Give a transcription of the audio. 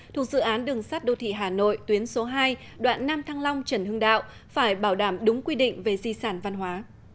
thuộc dự án đường sắt đô thị hà nội tuyến số hai đoạn nam thăng long trần hưng đạo phải bảo đảm đúng quy định về di sản văn hóa